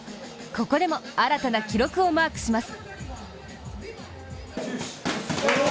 ここでも新たな記録をマークします。